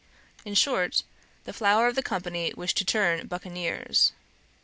In short, the flower of the company wished to turn buccaneers.